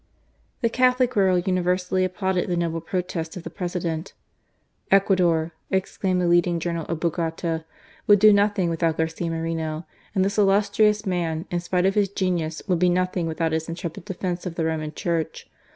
The Catholic world universally applauded the noble protest of the President. " Ecuador," ex claimed the leading journal of Bogota, "would be nothing without Garcia Moreno, and this illustrious man, in spite of his genius, would be nothing without his intrepid defence of the Roman Church.